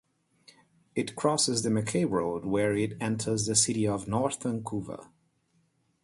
It crosses Mackay Road where it enters the City of North Vancouver.